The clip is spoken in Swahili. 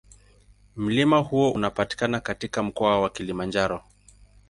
Mlima huo unapatikana katika Mkoa wa Kilimanjaro.